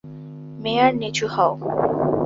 মেয়ার,- নিচু হও।